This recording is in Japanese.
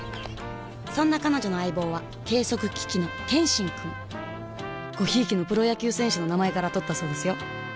そんな彼女の相棒は計測機器の「ケンシン」くんご贔屓のプロ野球選手の名前からとったそうですよ